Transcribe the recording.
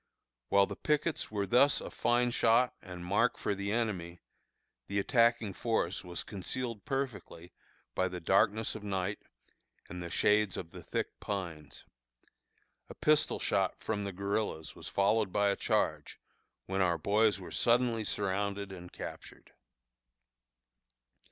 While the pickets were thus a fine shot and mark for the enemy, the attacking force was concealed perfectly by the darkness of night and the shades of the thick pines. A pistol shot from the guerillas was followed by a charge, when our boys were suddenly surrounded and captured.